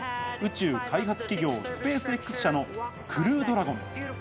氏の宇宙開発企業・スペースＸ社のクルードラゴン。